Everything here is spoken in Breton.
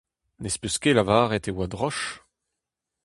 Ne'z peus ket lavaret e oa droch.